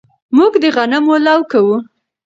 موږ د غنمو لو کوو